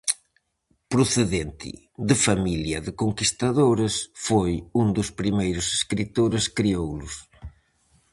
Procedente de familia de conquistadores, foi un dos primeiros escritores crioulos.